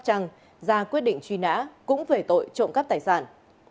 ta quyết định truy nã cũng về tội trộm cắp tài sản